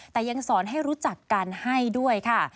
แต่ยังสอนให้รู้จักการให้ด้วยค่ะ